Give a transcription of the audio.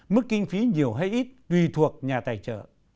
mức kinh phí nhiều hay ít tùy thuộc nhà tài trợ